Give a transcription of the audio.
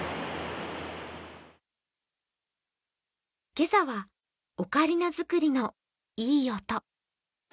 今朝はオカリナ作りのいい音。